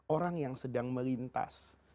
orang yang sedang melintas